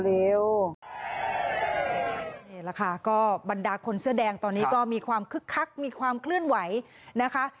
นี่แหละค่ะก็บรรดาคนเสื้อแดงตอนนี้ก็มีความคึกคักมีความเคลื่อนไหวนะคะ